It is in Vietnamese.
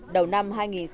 đầu năm hai nghìn năm